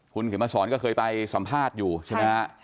คุณขิมศรก็เคยไปสัมภาษณ์อยู่ใช่ไหมครับ